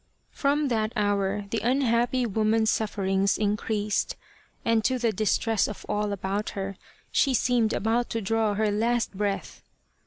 From that hour the unhappy woman's sufferings increased, and to the distress of all about her, she seemed about to draw her last breath.